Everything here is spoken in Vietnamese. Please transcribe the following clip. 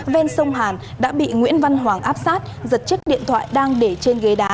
ven sông hàn đã bị nguyễn văn hoàng áp sát giật chiếc điện thoại đang để trên ghế đá